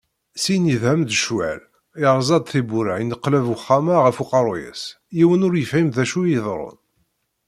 Syin yedhem-d ccwal, yerẓa-d tiwwura, yenneqlab uxxam-a ɣef uqerru-is, yiwen ur yefhim d acu i iḍerrun.